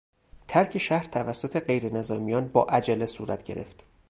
ترک شهر توسط غیرنظامیان با عجله صورت گرفت.